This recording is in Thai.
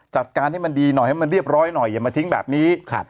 จัดการให้มันดีหน่อยให้มันเรียบร้อยหน่อยอย่ามาทิ้งแบบนี้